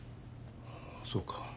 そうか。